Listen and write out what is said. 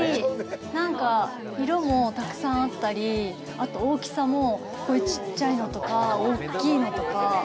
なんか、色もたくさんあったり、あと大きさもこういう小さいのとか、大きいのとか。